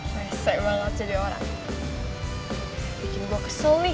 rese banget jadi orang bikin gue kesel nih